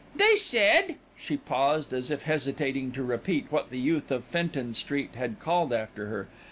"They said," she paused as if hesitating to repeat what the youth of Fenton Street had called after her.